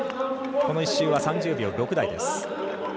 この１周、３０秒６台です。